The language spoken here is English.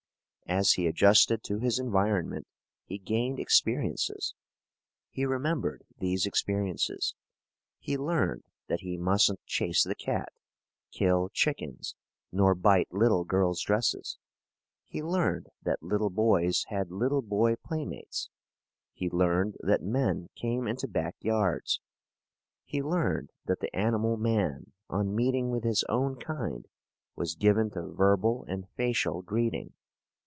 As he adjusted to his environment he gained experiences. He remembered these experiences. He learned that he mustn't chase the cat, kill chickens, nor bite little girls' dresses. He learned that little boys had little boy playmates. He learned that men came into back yards. He learned that the animal man, on meeting with his own kind, was given to verbal and facial greeting.